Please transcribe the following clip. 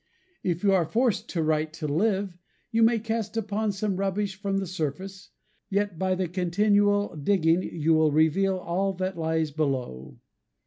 If you are forced to write to live, you may cast up some rubbish from the surface; yet by the continual digging you will reveal all that lies below.